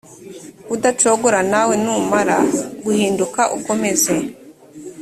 kudacogora nawe numara guhinduka ukomeze